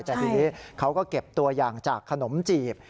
แต่ทีนี้เขาก็เก็บตัวอย่างจากขนมจีบ